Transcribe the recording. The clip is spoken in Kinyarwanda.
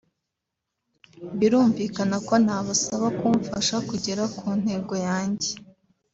birumvika ko nabasaba kumfasha kugera ku ntego yanjye